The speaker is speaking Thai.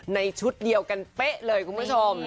ในชุดเดียวกันเป๊ะเลยคุณผู้ชม